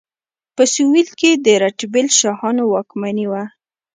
په سویل کې د رتبیل شاهانو واکمني وه.